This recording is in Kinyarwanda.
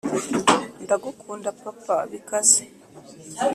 ndagukunda, papa bikaze